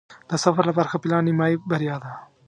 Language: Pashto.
د سفر لپاره ښه پلان نیمایي بریا ده.